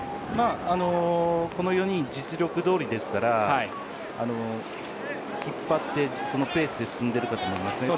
この４人実力どおりですから引っ張って、そのペースで進んでいるかと思います。